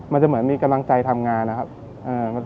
มันจะเหมือนมีกำลังใจทำงานนะครับ